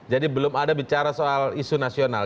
jadi belum ada bicara soal isu nasional